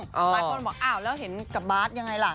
พระคนบอกแล้วเห็นกับบ๊าสยังไงล่ะ